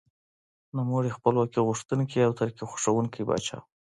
نوموړی خپلواکي غوښتونکی او ترقي خوښوونکی پاچا و.